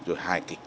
rồi hài kịch